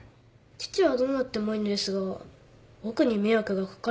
父はどうなってもいいんですが僕に迷惑が掛かるのは嫌です。